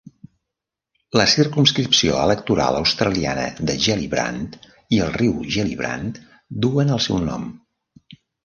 La circumscripció electoral australiana de Gellibrand i el riu Gellibrand duen el seu nom.